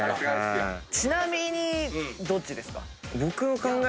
ちなみにどっちですか？